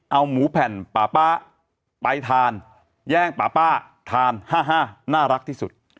เอาหมูแผ่นป่าป้าไปทานแย่งป่าป้าทาน๕๕น่ารักที่สุด